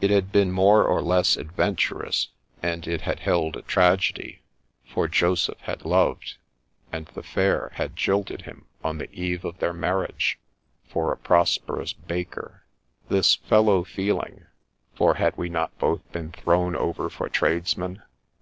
It had been more or less adventurous, and it had held a tragedy, for Joseph had loved, and the fair had jilted him on the eve of their marriage, for a prosperous baker. This fellow feeling (for had we not both been thrown over for tradesmen?)